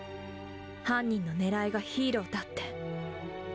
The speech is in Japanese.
犯人の狙いがヒーローだって。